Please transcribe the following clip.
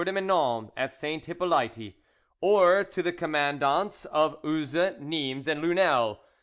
de Menon at Saint Hippolyte, or to the commandants of Uzes, Nimes, and Lunel.